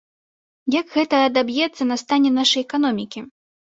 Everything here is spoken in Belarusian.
Як гэта адаб'ецца на стане нашай эканомікі?